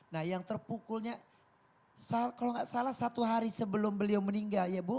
nah yang terpukulnya kalau nggak salah satu hari sebelum beliau meninggal ya bu